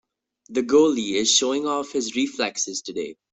The goalie is showing off his reflexes today.